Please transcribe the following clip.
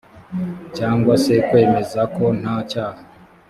cyangwa se kwemezako nta cyaha